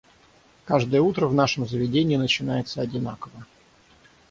Каждое утро в нашем заведении начинается одинаково.